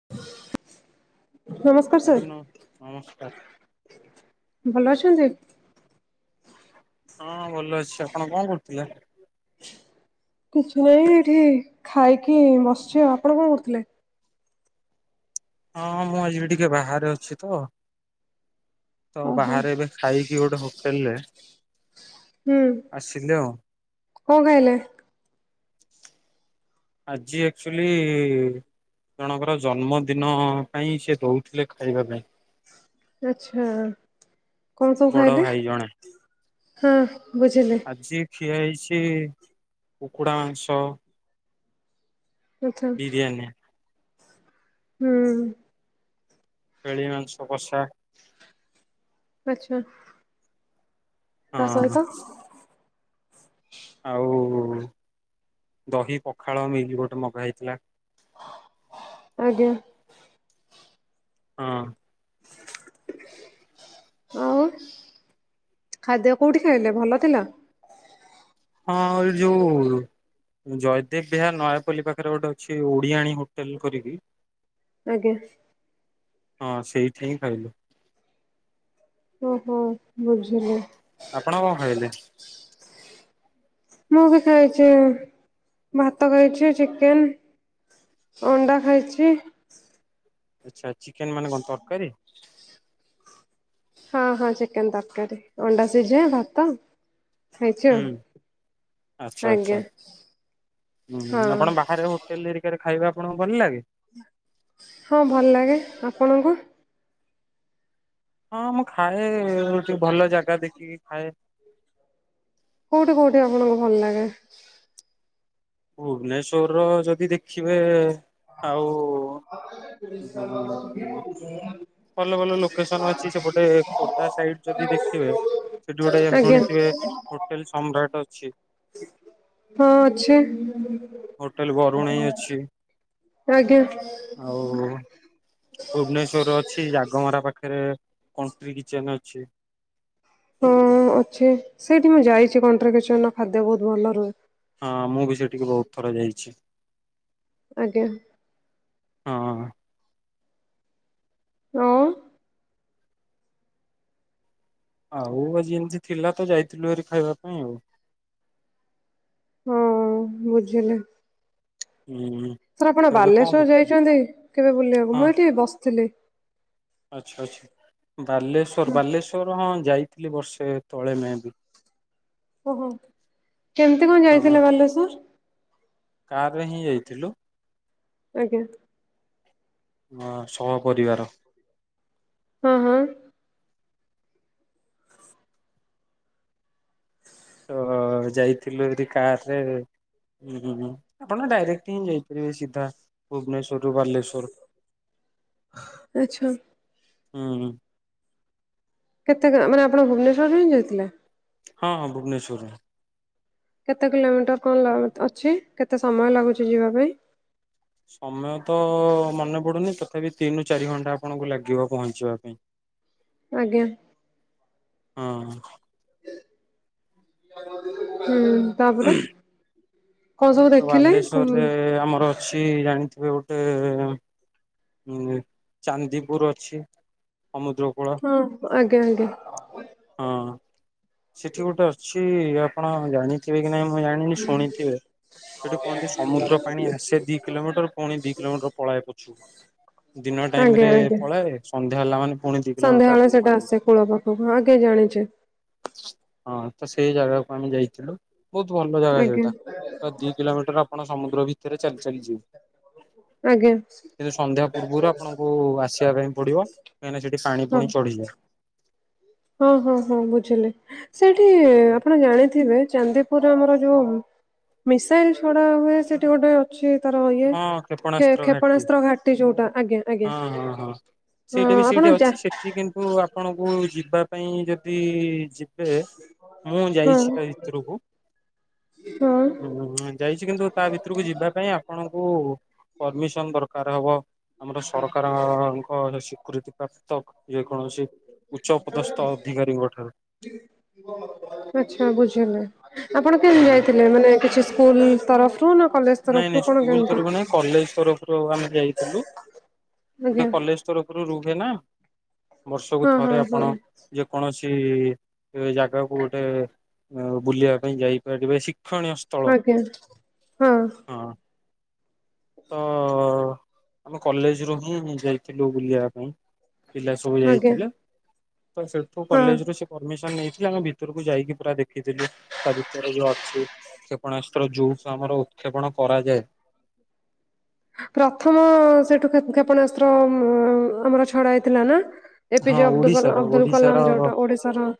[inaudible] ନମସ୍କାର sir madam ନମ ନମସ୍କାର। ଭଲ ଅଛନ୍ତି? ହଁ ଭଲ ଅଛି ଆପଣ କଣ କରୁଥିଲେ? କିଛି ନାହିଁ ଏଠି ଖାଇକି ବସ୍ଚି, ଆପଣ କଣ କରୁଥିଲେ? ହଁ ହଁ ମୁଁ ଆଜି ବି ଟିକେ ବାହାରେ ଅଛି ତ। ତ ଓହୋ ବାହାରେ ଏବେ ଖାଇକି ଗୋଟେ ହୋଟେଲରେ ହୁଁ ଆସିଲେ ଆଉ କଣ ଖାଇଲେ? ଆଜି ଆକ୍ଚୁଲି ଜଣଙ୍କର ଜନ୍ମଦିନ ପାଇଁ ସେ ଦଉଥିଲେ ଖାଇବା ପାଇଁ। ଆଛା କଣ ସବୁ ବଡ ଖାଇଲେ ଭାଇ ଜଣେ ହଁ ବୁଝିଲେ। ସିଏ ଖିଆ ହେଇଛି କୁକୁଡ଼ା ମାଂସ। ଆଚ୍ଛା। ବିରିୟାନୀ ହୁଁ। ଚେଳି ମାଂସ କଷା। ଆଚ୍ଛା। ତା ହଁ ସହିତ? ଆଉ ଦହି ପଖାଳ ମିଲ୍ ଗୋଟେ ମଗା ହେଇଥିଲା। ଆଜ୍ଞା। ହଁ। ହ ଆଉ ଖାଦ୍ୟ କୋଉଠି ଖାଇଲେ ଭଲ ଥିଲା? ହଁ ଏ ଯୋଉ ଜୟଦେବ ବିହାର ନୟାପଲ୍ଲୀ ପାଖରେ ଗୋଟେ ଅଛି ଓଡ଼ିଆଣି ହୋଟେଲ କରିକି। ଆଜ୍ଞା। ହଁ ସେଇଠି ହିଁ ଖାଇଲୁ। ଓହୋ ବୁଝିଲି। ଆପଣ କଣ ଖାଇଲେ? ମୁଁ ବି ଖାଇଛି ଭାତ ଖାଇଛି ଚିକେନ। ଅଣ୍ଡା ଖାଇଛି। ଆଛା ଚିକେନ ମାନେ କଣ ତରକାରୀ? ହଁ ହଁ ଚିକେନ ତରକାରୀ ଅଣ୍ଡା ସିଝା ଭାତ। ଖାଇଛ ହୁଁ ଆଉ ଆଚ୍ଛା ଆଚ୍ଛା ଆଜ୍ଞା ହଁ। ତେଲହେରିକାରେ ଖାଇବା ଆପଣଙ୍କୁ ଭଲ ଲାଗେ? ହଁ ଭଲ ଲାଗେ, ଆପଣଙ୍କୁ? ହଁ ମୁଁ ଖାଏ ଟି ଭଲ ଜାଗା ଦେଖିକି ଖାଏ। କୋଉଠି କୋଉଠି ଆପଣଙ୍କୁ ଭଲ ଲାଗେ? ଭୁବନେଶ୍ଵରର ଯଦି ଦେଖିବେ ଆଉ ହଁ [unintelligible] ଭଲ ଭଲ ଲୋକେସନ ଅଛି ସେପଟେ ଖୋର୍ଦ୍ଧା ସାଇଡ଼୍ ଯଦି ଦେଖିବେ ସେ ଟି ଗୋଟେ ଆଜ୍ଞା ଶୁଣିଥିବେ ହୋଟେଲ ସମ୍ରାଟ ଅଛି। ହଁ ଅଛି ହୋଟେଲ ବରୁଣେଇ ଅଛି। ଆଜ୍ଞା। ଆଉ ଭୁବନେଶ୍ଵର ଛି ଜାଗମରା ପାଖରେ କଣ୍ଟ୍ରି କିଚେନ ଅଛି। ହଁ ଅଛି ସେଇଠି ମୁଁ ଯାଇଛି କଣ୍ଟ୍ରି କିଚନ ଖାଦ୍ୟ ବହୁତ ଭଲ ରୁହେ। ହଁ ମୁଁ ବି ସେଠିକି ବହୁତ ଥର ଯାଇଛି। ଆଜ୍ଞା। ହଁ। ଆଉ ଆଉ ଆଜି ଏମ୍ତି ଥିଲା ତ ଯାଇଥିଲୁ ହାରି ଖାଇବା ପାଇଁ ଆଉ। ହଁ ବୁଝିଲି। ହୁଁ ସାର୍ ଆପଣ ତ ଏବେ କଣ ବାଲେଶ୍ଵର କରୁଛନ୍ତି? ଯାଇଛନ୍ତି କେବେ ବୁଲିବାକୁ, ମୁଁ ଏଇଠି ବସଥିଲି। ଆଚ୍ଛା-ଆଚ୍ଛା। ବାଲେଶ୍ଵର-ବାଲେଶ୍ଵର ହଁ ଯାଇଥିଲି ବର୍ଷେ ତଳେ ମେଁ ବି। ଓହୋ କେମ୍ତି କଣ ଯାଇଥିଲେ ବାଲେଶ୍ଵର? କାର୍ ରେ ହିଁ ଯାଇଥିଲୁ। ଆଜ୍ଞା। ହଁ ସହ ପରିବାର। ହଁ-ହଁ। ତ ଯାଇଥିଲୁ ଏଠି କାର୍ ରେ। ହୁଁ ଆପଣ ଡାଇରେକ୍ଟ ହିଁ ଯାଇପାରିବେ ସିଧା ଭୁବନେଶ୍ୱରରୁ ବାଲେଶ୍ୱର। ଆଚ୍ଛା। ହୁଁ-ହୁଁ। କେତେ [unintelligible] ମାନେ ଆପଣ ଭୁବନେଶ୍ୱରରୁ ହିଁ ଯାଇଥିଲା? ହଁ ଭୁବନେଶ୍ଵରରୁ। କେତେ କିଲୋମିଟର କଣ ଲ ଅଛି କେତେ ସମୟ ଲାଗୁଚି ଯିବା ପାଇଁ? ସମୟ ତ ମନେପଡୁନି ତଥାପି ତିନ ରୁ ଚାରି ଘଣ୍ଟା ଆପଣଙ୍କୁ ଲାଗିବ ପହଞ୍ଚିବା ପାଇଁ। ଆଜ୍ଞା। ହଁ। ହୁଁ ତାପରେ? କଣ ସବୁ ତ ଦେଖିଲେ ବାଲେଶ୍ଵରରେ କଣ ଆମର ଅଛି ଜାଣିଥିବେ ଗୋଟେ ଉଁ ଚାନ୍ଦିପୁର୍ ଅଛି ସମୁଦ୍ରକୂଳ। ହଁ ଆଜ୍ଞା-ଆଜ୍ଞା। ହଁ ସେଠି ଗୋଟେ ଅଛି ଆପଣ ଜାଣି ଥିବେ କି ନାଇଁ ମୁଁ ଜାଣିନି ଶୁଣିଥିବେ ସେଠି କୁହନ୍ତି ସମୁଦ୍ର ପାଣି ଆସେ ଦି କିଲୋମିଟର ପୁଣି ଦି କିଲୋମିଟର ପଳଏ ପଛୁ ଦିନ ଟାଇମ୍ ଆଜ୍ଞା ରେ ଆଜ୍ଞା ପଳଏ ସନ୍ଧ୍ୟା ହେଲା ମାନେ ପୁଣି ଦିଇ କିଲୋମିଟର ସନ୍ଧ୍ୟାବେଳେ ଆଗକୁ ସେଟା ମାଡ଼ିବ। ଆସେ କୂଳ ପାଖକୁ ଆଜ୍ଞା ଜାଣିଚି। ହଁ ତ ସେଇ ଜାଗାକୁ ଆମେ ଯାଇଥିଲୁ। ବହୁତ୍ ଭଲ ଜାଗା ଆଜ୍ଞା ସେଇଟା, ତ ଦି କିଲୋମିଟର ଆପଣ ସମୁଦ୍ର ଭିତରେ ଚାଲି-ଚାଲି ଯିବେ। ଆଜ୍ଞା। କିନ୍ତୁ ସନ୍ଧ୍ୟା ପୂର୍ବରୁ ଆପଣଙ୍କୁ ଆସିବା ପାଇଁ ପଡିବ, କାହିଁକିନା ସେଠି ପାଣି ପୁଣି ଚଢିଯାଏ। ହଁ-ହଁ-ହଁ ବୁଝିଲି ସେଇଠି ଆପଣ ଜାଣିଥିବେ ଚାନ୍ଦି ପୁର୍ ଆମର ଯୋଉ ମିସାଇଲ୍ ଛଡା ହୁଏ ସେଠି ଗୋଟେ ଅଛି ତାର ଇଏ ହଁ ଖେ କ୍ଷେପଣାସ୍ତ୍ର ଘାଟି ଖେପଣାସ୍ତ୍ର ଘାଟି ଯୋଉଟା ହଁ ଆଜ୍ଞା-ଆଜ୍ଞା। ହଁ ହଁ ସେଇଟା ବି ସେଇଠି ଅଛି ସେଠି କିନ୍ତୁ ଆପଣଙ୍କୁ ଯିବା ପାଇଁ ଯ ଦି ଯିବେ ମୁଁ ହଁ ଯାଇଛି ତା ଭିତୁରୁକୁ। ହଁ ଉଁ ଯାଇଛି କିନ୍ତୁ ତା ଭିତରକୁ ଯିବା ପାଇଁ ଆ ଆପଣଙ୍କୁ ପରମିସନ୍ ଦରକାର ହବ ଆମର ସରକାରଙ୍କ ସୀକୃତି ପ୍ରାପ୍ତ ଯେକୌଣସି ଉଚ୍ଚ ପଦସ୍ଥ ଅଧିକାରୀଙ୍କ ଠାରୁ। ଆଚ୍ଛା ବୁଝିଲି, ଆପଣ କେମତି ହଁ ଯାଇଥିଲେ ମାନେ କିଛି ସ୍କୁଲ୍ ତରଫରୁ ନା କଲେଜ ତରଫରୁ ନାଇଁ-ନାଇଁ କଣ ସ୍କୁଲ୍ କେମିତି? ତରଫରୁ ନାଇଁ କଲେଜ୍ ତରଫରୁ ଆମେ ଯାଇଥିଲୁ, ଗୋଟେ ଆଜ୍ଞା କଲେଜ୍ ତରଫରୁ ରୁହେ ନା ବର୍ଷକୁ ହଁ ଥରେ ହଁ ହଁ ଆପଣ ଯେ କୌଣସି ଜାଗାକୁ ଗୋଟେ ବୁଲିବା ପାଇଁ ଯାଇପାରିବେ ଶିକ୍ଷଣୀୟ ସ୍ଥଳ ଆଜ୍ଞା ହଁ। ହଁ ତ ଆମେ କଲେଜ୍ ରୁ ହିଁ ଯାଇଥିଲୁ ବୁଲିବା ପାଇଁ ପିଲା ସବୁ ଆଜ୍ଞା। ଯାଇଥିଲେ। ତ ସେଠୁ ହଁ କଲେଜ ରୁ ସେ ପରମିସନ ନେଇଥିଲେ ଆମେ ଭିତରକୁ ଯାଇକି ପୁରା ଦେଖିଥିଲୁ ତା ଭିତରେ ଯ ଅଛି କ୍ଷେପଣାସ୍ତ୍ର ଯୋଉଠୁ ଆମର ଉତ୍କ୍ଷେପଣ କରାଯାଏ। ପ୍ରଥମ ସେଠୁ ଖେଏ କ୍ଷେପଣାସ୍ତ୍ର ଆମର ଛଡା ହେଇଥିଲା ନା? ହଁ ଏପିଜେ ଅବ ଅବଦୁଲ ଓଡିଶାର କଲାମ ଅବଦୁଲ୍ ଓଡିଶାର କଲାମ୍ ଯୋଉଟା ଓଡିଶାର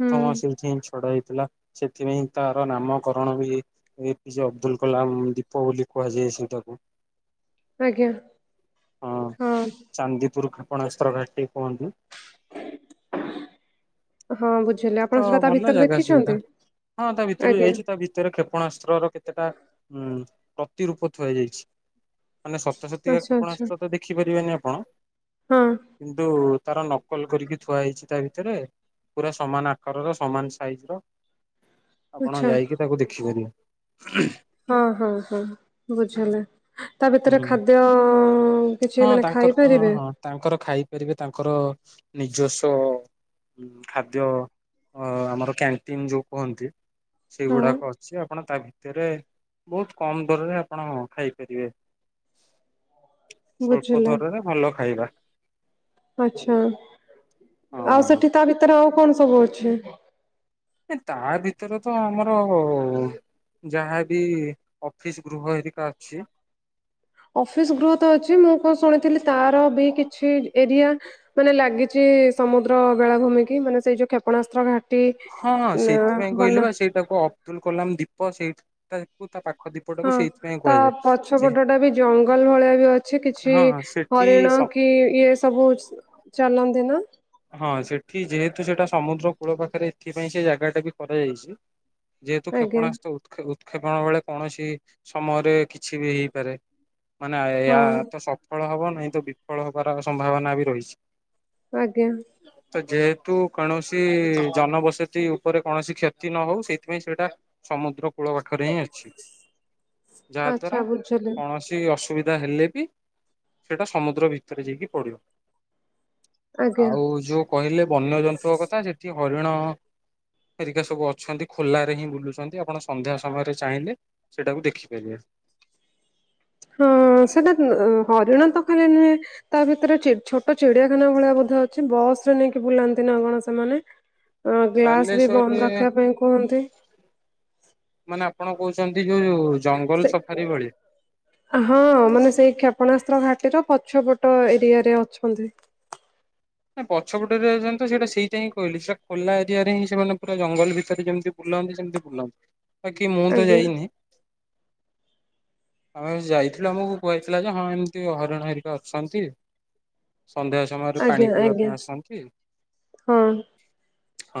ହୁଁ ସିଠୀ ହି ଛଡା ହେଇଥିଲା ସେଥିପାଇଁ ତାର ନାମକରଣ ବି ଏ ପିଜ ଅବଦୁଲ କଲାମ ଦୀପ ବୋଲି କୁହାଯାଏ ସେଟାକୁ ଆଜ୍ଞା ହଁ ଚାନ୍ଦିପୁର କ୍ଷପଣାସ୍ତ୍ର ଘାଟିି କୁହନ୍ତୁ। ହଁ ବୁଝିଲେ ଆ ତ ଭଲ ଜାଗା ସେଟା ହଁ ତା ଭିତରୁ ଆଜ୍ଞା ଯାଇଛି ତା ଭିତ ଭିତରେ କ୍ଷେପଣାସ୍ତ୍ରର କେତେଟା ଉଁ ପ୍ରତିରୂପ ଥୁଆଯାଇଛି? ମାନେ ଶତ ଶତିକ ଆଚ୍ଛା ଆଚ୍ଛା। କ୍ଷପଣାସ୍ତ୍ର ତ ଦେଖିପାରିବେନି ଆପଣ? ହଁ କିନ୍ତୁ ତାର ନକଲ କରିକି ଥୁଆ ହେଇଛି ତା ଭିତରେ ପୁରା ସମାନ ଆ କାରର ସମାନ ସାଇଜ ର ଆପଣ ଆଚ୍ଛା। ଯାଇକି ତାକୁ ଦେଖିପାରିବେ। ହଁ ହଁ ହଁ ବୁଝିଲେ ତା ହୁଁ ଭିତରେ ଖାଦ୍ୟ କିଛି ହଁ ମାନେ ତାଙ୍କର ହଁ ଖାଇପାରିବେ? ହଁ ତାଙ୍କର ଖାଇପାରିବେ ତାଙ୍କର ନିଜସ୍ୱ ଉ ଖାଦ୍ୟ ଅ ଆମର କ୍ୟାଣ୍ଟିନ ଯୋଉ କୁହନ୍ତି ହଁ ସେଗୁଡାକ ଅଛି ଆପଣ ତା ଭିତରେ ବହୁତ କମ ଦରରେ ଆପଣ ଖାଇପାରିବେ ସ୍ୱଳ୍ପ ବୁଝିଲେ। ଦ୍ୱାରରେ ଭଲ ଖାଇବା ଆଛା ଆଉ ହଁ ସେଠି ତା ଭିତରେ ଆଉ କଣ ସବୁ ଅଛି? ଏ ତା ଭିତରେ ତ ଆମର ଅ ଯାହାବି ଅଫିସ ଗୃହ ହେରିକା ଅଛି। ଅଫିସ ଗ୍ରୋ ତ ଅଛି ମୁଁ କଣ ଶୁଣିଥିଲି ତାର ବି କିଛି ଏରିଆ ମାନେ ଲାଗିଛି ସମୁଦ୍ର ବେଳାଭୂମି କି ମାନେ ସେଇ ଯୋଉ କ୍ଷେପଣାସ୍ତ୍ର ଘା ଟି ନା ବନା ତାକୁ ଅବଦୁଲ କଲାମ ଦୀପ ସେଇ -ଟାକୁ ତା ପାଖ ଦୀପ ହଁ ତା ପଛ ପଟ ଟା ବି ଜଙ୍ଗଲ ଭଳିଆ ବି ଅଛି କିଛି ହଁ ସେଠି ହରିଣ କି ଇ ଇଏ ସବୁ ଚାଲନ୍ତି ନା? ହଁ ସେଠି ଯେହେତୁ ସେଟା ସମୁଦ୍ର କୂଳ ପାଖରେ ଏଥିପାଇଁ ସେ ଜାଗା ଟା ବି କରାଯାଇଛି। ଯେହେତୁ ଆଜ୍ଞା କ୍ଷେପଣାସ୍ତ୍ର ଉତୁଖେ ଉତ୍କ୍ଷେପଣ ବେଳେ କୌଣସି ସମୟରେ କିଛି ବି ହେଇପାରେ। ମାନେ ହଁ ଏହାୟ ତ ସଫଳ ହବ ନହିଁ ତ ବିଫଳ ହବାର ସମ୍ଭାବନା ବି ରହିଛି। ଆଜ୍ଞା ତ ଯେହେତୁ କୌଣସି ଜନବସତି ଉପରେ କୌଣସି କ୍ଷତି ନ ହଉ ସେଇଥିପାଇଁ ସେଇଟା ସମୁଦ୍ର କୂଳ ପାଖରେ ହିଁ ଅଛି। [inaudible] ଯାହା ଆଚ୍ଛା ଦ୍ଵାରା ବୁଝିଲି କୌଣସି କିଛି ଅସୁବିଧା ହେଲେ ବି ସେଇଟା ସମୁଦ୍ର ଭିତରେ ଯାଇକି ପଡିବ। ଆଜ୍ଞା ଆଉ ଯୋଉ କହିଲେ ବନ୍ୟଜନ୍ତୁଙ୍କ କଥା ସେଠି ହରିଣ ହେରିକା ସବୁ ଅଛନ୍ତି ଖୋଲାରେ ହିଁ ବୁଲୁଛନ୍ତି ଆପଣ ସନ୍ଧ୍ୟା ସମୟରେ ଚାହିଁଲେ ସେଇଟାକୁ ଦେଖିପାରିବେ ହଁ ସେଟା ଉଁ ହରିଣ ତ ଖାଲି ନୁହେଁ ତା ଭିତରେ ଚି ଛୋଟ ଚିଡିଆଖାନା ଭଳିଆ ବୋଧେ ଅଛି ବସ ରେ ନେଇକି ବୁଲାନ୍ତି ନା କଣ ସେମାନେ। [inaudible] ଆଁ ଗ୍ଲାସ ବି ବାଲେଶ୍ଵରରେ ବନ୍ଦ ରଖିବା ପାଇଁ କୁହନ୍ତି। ମାନେ ଆପଣ କହୁଛନ୍ତି ଯୋଉ ଜଙ୍ଗଲ ସେ ସଫାରି ଭଳିଆ ହଁ ମାନେ ସେଇ କ୍ଷେପଣାସ୍ତ୍ର ଘାଟିର ପଛପଟ ଏରିଆ ରେ ଅଛନ୍ତି। ନା ପଛ ପଟରେ ଅଛନ୍ତି ତୋ ସେଇଟା ସେଇଥିପାଇଁ କହିଲି। ସେ ଖୋଲା ଏରିଆରେ ହିଁ ସେମାନେ ପୁରା ଜଙ୍ଗଲ ଭିତରେ ଯେମିତି ବୁଲନ୍ତି ସେମିତି ବୁଲନ୍ତି, ବାକି ମୁଁ ତ ଆଜ୍ଞା ଯାଇନି। ଆମେ ଯାଇଥିଲୁ ଆମକୁ କୁହାଯାଇଥିଲା ଯେ, ହଁ ଏମିତି ହରିଣ ହେରିକା ଅଛନ୍ତି। ସନ୍ଧ୍ୟା ସମୟରେ ଆଜ୍ଞା ପାଣି ପିଇବା ଆଜ୍ଞା ପାଇଁ ଆସନ୍ତି। ହଁ। ହଁ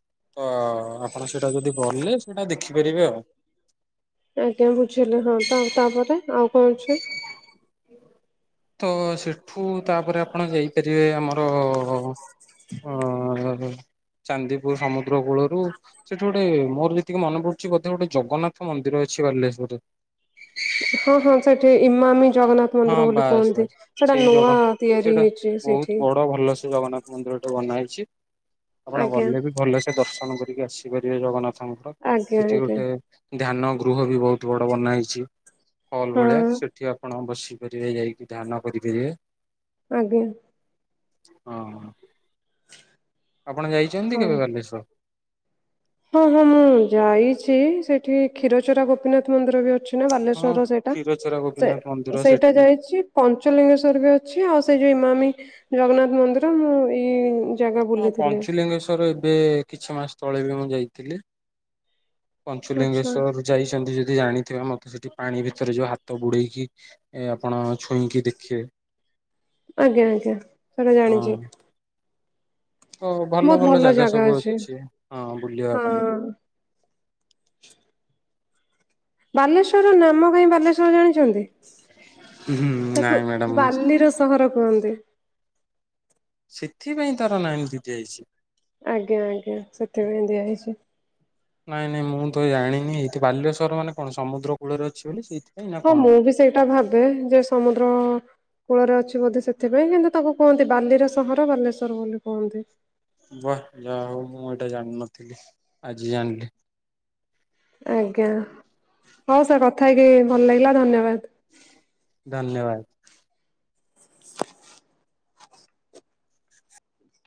- ତ ଆପଣ ସେଇଟା ଯଦି ଗଲେ ସେଇଟା ଦେଖିପାରିବେ ଆଉ। ଆଜ୍ଞା ବୁଝିଲେ ହଁ ତୋ ତାପରେ ଆଉ କଣ ଅଛି? ତ ସେଠୁ ତାପରେ ଆପଣ ଯାଇପାରିବେ ଆମର ଅ-ଅ ଅ - ଅ - ଅ ଚାନ୍ଦିପୁର ସମୁଦ୍ର କୂଳରୁ ସେଠି ଗୋଟେ ମୋର ଯେତିକି ମନେ ପଡୁଛି ବୋଧେ ଗୋଟେ ଜଗନ୍ନାଥ ମନ୍ଦିର ଅଛି ବାଲେଶ୍ଵରରେ। ହଁ ହଁ ସେଠି ଇମାମୀ ଜଗନ୍ନାଥ ହଁ ମନ୍ଦିର ବୋଲି ବାସ୍ କୁହନ୍ତି। ବାସ୍ ସେଇଟା ସେଇ ନୂଆ ଜଗା ତିଆରି ସେଇଟା ହେଇଛି ବହୁତ ସେଇଠି। ବଡ ଭଲ ସେ ଜଗନ୍ନାଥ ମନ୍ଦିର ଟେ ବନା ହେଇଛି। ଆପଣ ଆଜ୍ଞା। ଗଲେ ବି ଭଲସେ ଦର୍ଶନ କରିକି ଆସିପାରିବେ ଜଗନ୍ନାଥ। [inaudible] ଆଜ୍ଞା ସେଠି ଆଜ୍ଞା ଗୋଟେ ଧ୍ୟାନ ଗୃହ ବି ବହୁତ ବଡ ବନା ହେଇଛି। ହୋଲ ଭଳିଆ ହଁ ସେଠି ଆପଣ ବସିପାରିବେ ଯାଇକି ଧ୍ୟାନ କରିପାରିବେ। ଆଜ୍ଞା ହଁ। ଆପଣ ଯାଇଛନ୍ତି କେବେ ହଁ। ବାଲେଶ୍ଵର? ହଁ ହଁ ମୁଁ ଯାଇଛି ସେଠି କ୍ଷୀରଚୋରା ଗୋପୀନାଥ ମନ୍ଦିର ବି ଅଛି। ଅଛି ନା ହଁ ବାଲେଶ୍ଵରର ସେଇଟା। କ୍ଷୀରଚୋରା ସେ ଗୋପୀନାଥ ମନ୍ଦିର ସେଇଟା ସେଠି ଯାଇଛି ପଞ୍ଚଲିଙ୍ଗେଶ୍ଵର ବି ଅଛି ଆଉ ସେଇ ଯୋଉ ଇମାମି ଜଗନ୍ନାଥ ମନ୍ଦିର ମୁଁ ଏଇ ଜାଗା ହଁ ବୁଲିଥିଲି ପଞ୍ଚୁଲିଙ୍ଗେଶ୍ଵର ଏବେ କିଛି ମାସ ତଳେ ବି ମୁଁ ଯାଇଥିଲି। ଆଚ୍ଛା। ପଞ୍ଚୁଲିଙ୍ଗେଶ୍ୱର ଯାଇଛନ୍ତି ଯଦି ଜାଣିଥିବେ ମତେ ସେଠି ପାଣି ଭିତରେ ଯୋଉ ହାତ ବୁଡେଇକି ଏ ଆପଣ ଛୁଇଁକି ଦେଖିବେ। ଆଜ୍ଞା ଆଜ୍ଞା ସେଟା ହଁ ଜାଣିଛି ତୋ ଭଲ ଭଲ ଜାଗା ସବୁ ଅଛି ହଁ ବୁଲିବା ପାଇଁ। ହଁ ବାଲେଶ୍ୱରର ନାମ କାହିଁ ବାଲେଶ୍ଵର ଜାଣିଛନ୍ତି। ହୁଁ ତାକୁ ନାଇଁ ମ୍ୟାଡାମ ମୁଁ ବାଲିର ସ୍ୱର ସହର କୁହନ୍ତି। ସେଥିପାଇଁ ତାର ନାଁ ଏମିତି ଦିଆ ଯାଇଛି? ଆଜ୍ଞା ଆଜ୍ଞ ସେଥିପାଇଁ ଦିଆହେଇଛି। ନାଇଁ ନାଇଁ ମୁଁ ତ ଜାଣିନି? ଏଇଠି ବାଲେଶ୍ୱର ମାନେ କଣ ସମୁଦ୍ର କୂଳରେ ଅଛି ବୋଲି ସେଇଥି ହଁ ମୁଁ ବି ସେଇଟା ଭାବେ ଯେ ସମୁଦ୍ର କୂଳରେ ଅଛି ବୋଧେ ସେଥିପାଇଁ। କିନ୍ତୁ ତାକୁ କୁହନ୍ତି ବାଲିର ସହର ବାଲେଶ୍ୱର ବୋଲି କୁହନ୍ତି। ବାଃ ଯାହା ହଉ ମୁଁ ଏଇଟା ଜାଣିନଥିଲି, ଆଜି ଜାଣିଲି। ଆଜ୍ଞା ହଉ ସାର୍ କଥା ହେଇକି ଭଲ ଲାଗିଲା ଧନ୍ୟବାଦ। ଧନ୍ୟବାଦ।